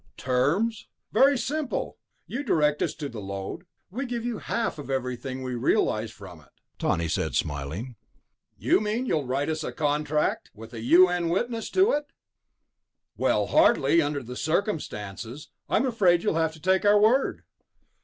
"Terms? Very simple. You direct us to the lode, we give you half of everything we realize from it," Tawney said, smiling. "You mean you'll write us a contract? With a U.N. witness to it?" "Well, hardly ... under the circumstances. I'm afraid you'll have to take our word."